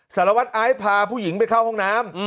สารวัตรไอซ์พาผู้หญิงไปเข้าห้องน้ำ